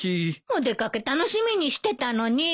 お出掛け楽しみにしてたのに。